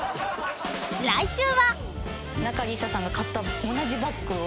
［来週は］